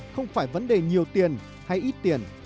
không phải vấn đề nhiều tiền hay ít tiền